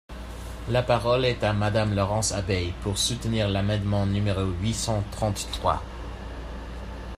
La parole est à Madame Laurence Abeille, pour soutenir l’amendement numéro huit cent trente-trois.